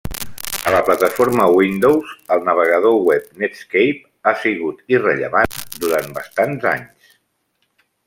A la plataforma Windows, el navegador web Netscape ha sigut irrellevant durant bastants anys.